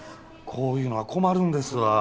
こういうのは困るんですわ。